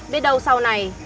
biết đâu sau này